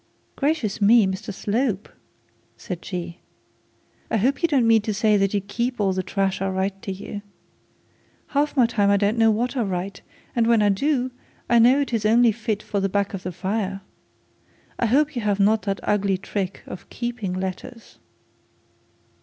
'Gracious me! Mr Slope,' said she. 'I hope you don't mean to say that you keep all the trash I write to you. Half my time I don't know what I write, and when I do, I know it is only fit for the black of the fire. I hope you have not that ugly trick of keeping letters.'